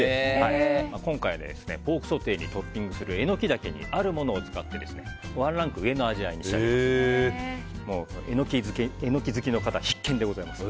今回はポークソテーにトッピングするエノキダケにあるものを使ってワンランク上の味わいに仕上げていきます。